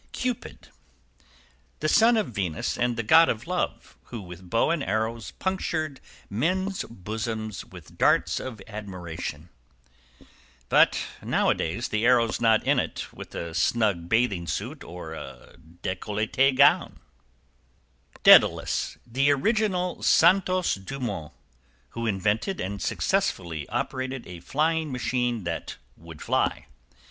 =CUPID. The son of Venus and the God of Love, who with bow and arrows punctured men's bosoms with the darts of admiration. =But now a days the arrow's not in it with a snug bathing suit or a decollette gown.= DAEDALUS. The original Santos Dumont, who invented and successfully operated a flying machine that would fly.